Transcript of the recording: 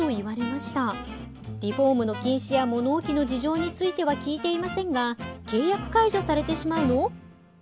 リフォームの禁止や物置の事情については聞いていませんが契約解除されてしまうの？